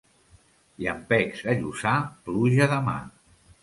Llampecs a Lluçà, pluja demà.